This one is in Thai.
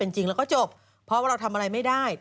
จริงแล้วก็จบเพราะว่าเราทำอะไรไม่ได้